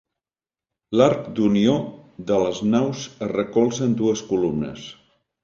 L'arc d’unió de les naus es recolza en dues columnes.